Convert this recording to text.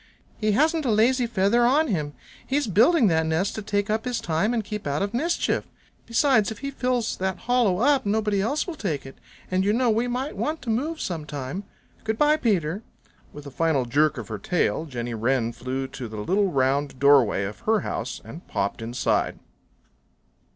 "He hasn't a lazy feather on him. He's building that nest to take up his time and keep out of mischief. Besides, if he fills that hollow up nobody else will take it, and you know we might want to move some time. Good by, Peter." With a final jerk of her tail Jenny Wren flew to the little round doorway of her house and popped inside.